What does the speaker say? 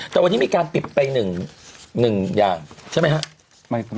แต่วันนี้มีการติดไปหนึ่งอย่างใช่ไหมคะ